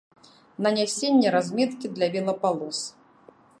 Нанясенне разметкі для велапалос.